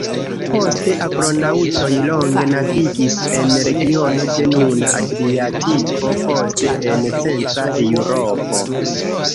Poste Argonaŭtoj longe navigis en regiono de nuna Adriatiko, poste en centra Eŭropo.